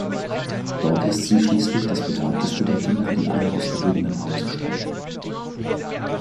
Dort ist sie schließlich das begabteste der Kinder, die alle aus gehobenem Hause stammen.